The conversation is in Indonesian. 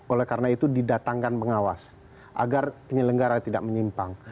oleh karena itu didatangkan pengawas agar penyelenggara tidak menyimpang